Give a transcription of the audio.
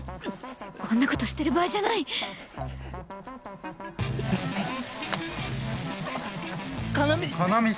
こんなことしてる場合じゃない叶海！